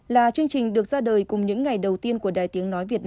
là chương trình được ra đời cùng những ngày đầu tiên của đài từng nói nhân tp